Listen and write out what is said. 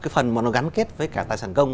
cái phần mà nó gắn kết với cả tài sản công